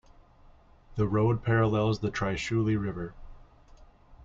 The road parallels the Trishuli River.